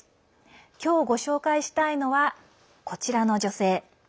今日、ご紹介したいのはこちらの女性。